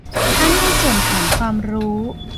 ทั้งในส่วนฐานความรู้